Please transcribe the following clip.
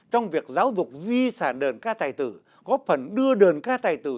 trong việc giáo dục di sản đờn ca tài tử góp phần đưa đờn ca tài tử